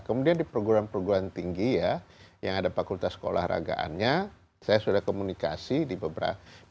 kemudian di perguruan perguruan tinggi ya yang ada fakultas keolahragaannya saya sudah komunikasi di beberapa